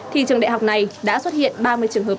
thì trường đại học này đã xuất hiện ba mươi trường hợp